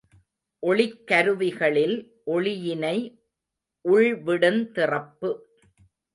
ஒளிக்கருவிகளில் ஒளியினை உள்விடுந் திறப்பு.